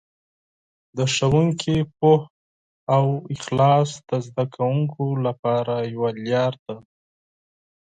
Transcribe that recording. د ښوونکي پوهه او اخلاص د زده کوونکو لپاره یوه لاره ده.